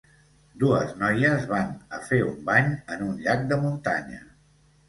Dues noies van a fer un bany en un llac de muntanya.